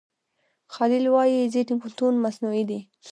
خلیل وايي ځینې متون مصنوعي دي.